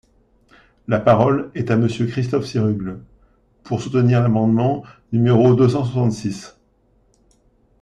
La parole est à Monsieur Christophe Sirugue, pour soutenir l’amendement numéro deux cent soixante-six.